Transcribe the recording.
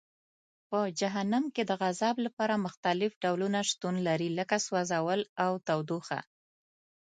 په جهنم کې د عذاب لپاره مختلف ډولونه شتون لري لکه سوځول او تودوخه.